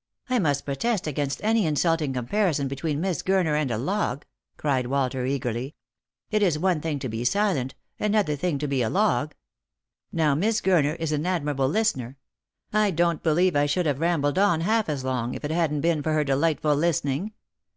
" I must protest against any insulting comparison between Miss Gurner and a log," cried Walter eagerly. " It is one thing to be silent— another thing to be a log. Now Miss Gurner is an admirable listener. I don't believe I should have rambled on half as long if it hadn't been for her delightful listening.